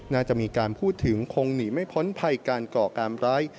น่าจะมีการพูดถึงคงหนีไม่พ้นภัยการก่อการร้าย